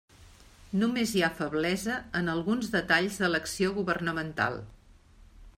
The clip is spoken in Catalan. Només hi ha feblesa en alguns detalls de l'acció governamental.